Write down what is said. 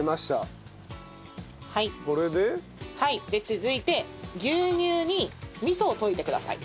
続いて牛乳に味噌を溶いてください。